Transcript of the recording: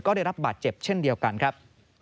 ก็ได้รับบาดเจ็บเช่นเดียวกันครับ